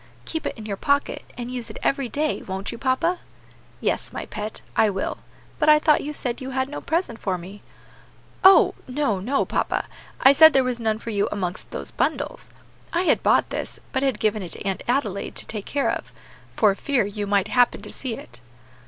"Keep it in your pocket, and use it every day, won't you, papa?" "Yes, my pet, I will; but I thought you said you had no present for me?" "Oh! no, no, papa; I said there was none for you amongst those bundles. I had bought this, but had given it to Aunt Adelaide to take care of, for fear you might happen to see it."